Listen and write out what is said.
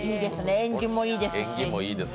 縁起もいいですね。